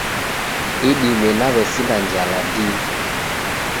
Idime nawesinda njala dii